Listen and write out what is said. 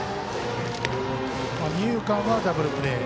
二遊間はダブルプレー。